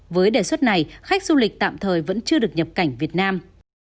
với đề xuất này khách du lịch tạm thời vẫn chưa được nhập cảnh việt nam